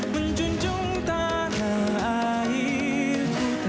menjunjung tanah airku